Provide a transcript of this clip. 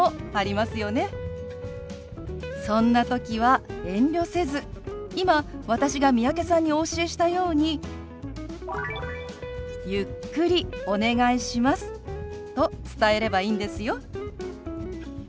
そんな時は遠慮せず今私が三宅さんにお教えしたように「ゆっくりお願いします」と伝えればいいんですよ。